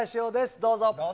どうぞ。